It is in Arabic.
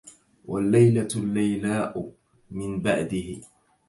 والليلةُ الليلاءُ من بَعدِه